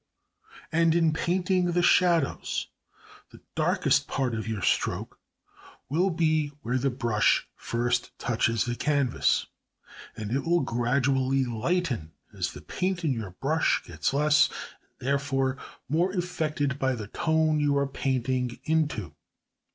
And in painting the shadows, the darkest part of your stroke will be where the brush first touches the canvas; and it will gradually lighten as the paint in your brush gets less and therefore more affected by the tone you are painting into.